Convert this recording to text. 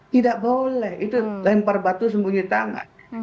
tidak boleh itu lempar batu sembunyi tangan